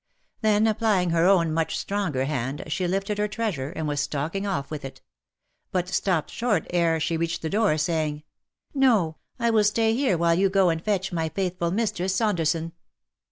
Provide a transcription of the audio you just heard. Then applying her own much stronger hand, she lifted her treasure, and was stalking off with it ; but stopped short ere she reached the door, saying, " No, I will stay here while you go and fetch my faithful Mistress Saunderson.